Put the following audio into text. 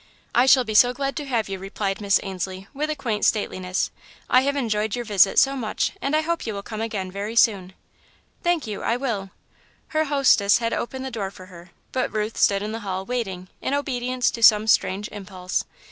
"I shall be so glad to have you," replied Miss Ainslie, with a quaint stateliness. "I have enjoyed your visit so much and I hope you will come again very soon." "Thank you I will." Her hostess had opened the door for her, but Ruth stood in the hall, waiting, in obedience to some strange impulse.